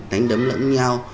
đánh đấm lẫn nhau